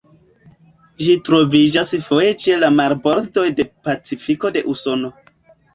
Ĝi troviĝas foje ĉe la marbordoj de Pacifiko de Usono.